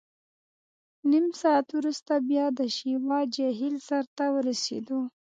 نیم ساعت وروسته بیا د شیوا جهیل سر ته ورسېدو.